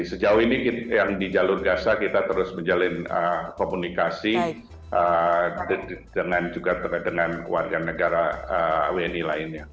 sejauh ini yang di jalur gaza kita terus menjalin komunikasi dengan juga dengan warga negara wni lainnya